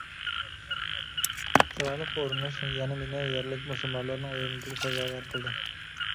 چىرايلىق ئورىنىش يەنە مېنى يەرلىك مۇسۇلمانلارنىڭ ھۆرمىتىگە سازاۋەر قىلدى.